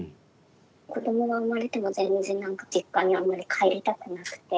子どもが産まれても全然何か実家にあんまり帰りたくなくて。